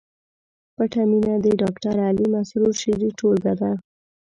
پټه مینه د ډاکټر علي مسرور شعري ټولګه ده